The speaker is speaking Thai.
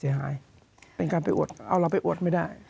เป็นการไปอวดเอาเราไปอวดไม่ได้